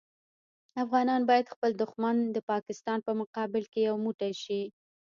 افغانان باید خپل د دوښمن پاکستان په مقابل کې یو موټی شي.